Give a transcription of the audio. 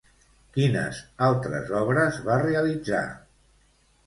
Quines altres obres va realitzar?